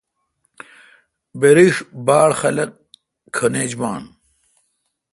بریش باڑ خاق کھن ایج بان۔